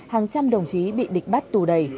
hàng trăm đồng chí bị địch bắt tù đầy